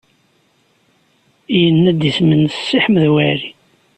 Yenna-d isem-nnes Si Ḥmed Waɛli.